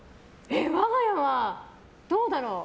我が家はどうだろう。